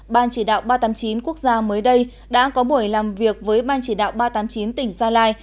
ban chỉ đạo ba trăm tám mươi chín quốc gia mới đây đã có buổi làm việc với ban chỉ đạo ba trăm tám mươi chín tỉnh gia lai